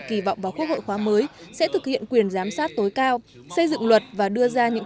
kỳ vọng vào quốc hội khóa mới sẽ thực hiện quyền giám sát tối cao xây dựng luật và đưa ra những